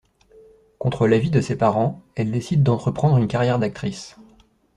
Contre l'avis de ses parents, elle décide d'entreprendre une carrière d'actrice.